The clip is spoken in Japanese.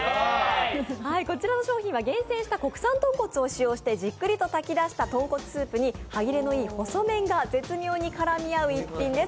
こちらの商品は厳選した国産豚骨を利用してじっくりと炊き出した豚骨スープに歯切れのいい細麺が絶妙に絡み合う逸品です。